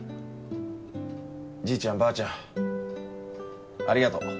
じいちゃんばあちゃんありがとう。